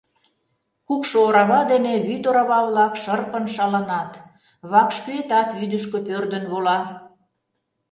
Кукшо орава дене вӱд орава-влак шырпын шаланат, вакш кӱэтат вӱдышкӧ пӧрдын вола.